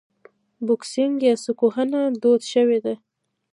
بوکسینګ یا سوک وهنه دود شوې ده.